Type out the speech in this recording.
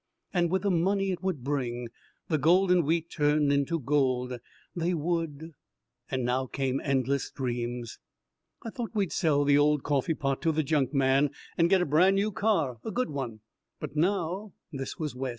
And with the money it would bring the golden wheat turned into gold they would And now came endless dreams. "I thought we'd sell the old coffeepot to the junkman and get a brand new car, a good one, but now " This was Wes.